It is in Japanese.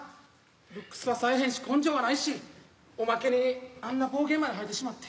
ルックスはさえへんし根性はないしおまけにあんな暴言まで吐いてしまって。